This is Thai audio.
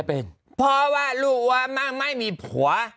เพราะว่าลูกว่ามั่งไม่มีผัว